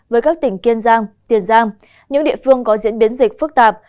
với các tỉnh kiên giang tiền giang những địa phương có diễn biến dịch phức tạp